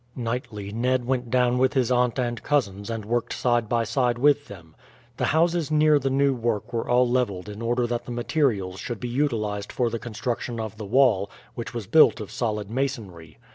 Nightly Ned went down with his aunt and cousins and worked side by side with them. The houses near the new work were all levelled in order that the materials should be utilized for the construction of the wall, which was built of solid masonry.